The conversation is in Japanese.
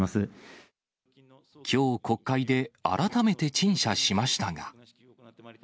きょう国会で、改めて陳謝しましたが。